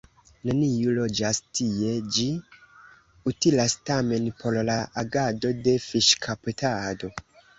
Neniu loĝas tie, ĝi utilas tamen por la agado de fiŝkaptado.